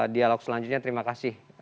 dialog selanjutnya terima kasih